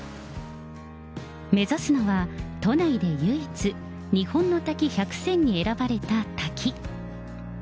目指すのは都内で唯一、日本の滝１００選に選ばれた滝。